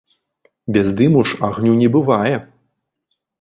Без дыму ж агню не бывае.